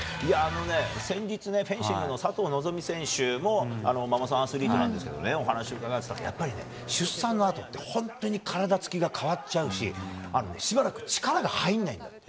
先日、フェンシングの佐藤選手もママさんアスリートなんですけどお話を伺いまして出産のあとって本当に体つきが変わっちゃうししばらく力が入らないの。